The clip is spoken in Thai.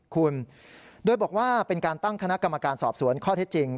คุณโดยบอกว่าเป็นการตั้งคณะกรรมการสอบสวนข้อเท็จจริง